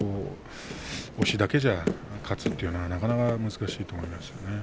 押しだけでは勝つというのはなかなか難しいと思います。